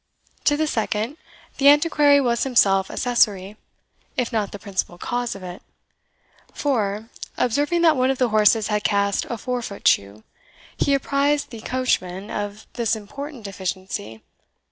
To the second, the Antiquary was himself accessory, if not the principal cause of it; for, observing that one of the horses had cast a fore foot shoe, he apprized the coachman of this important deficiency.